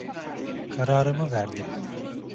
Kararımı verdim.